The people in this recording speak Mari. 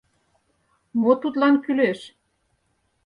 Мо тудлан кӱлеш?..